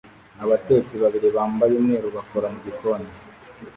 Abatetsi babiri bambaye umweru bakora mu gikoni